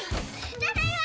ただいま！